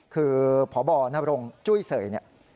คือพบนรงจุ้ยเสยเนี่ย